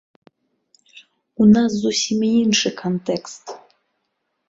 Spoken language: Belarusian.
У нас зусім іншы кантэкст.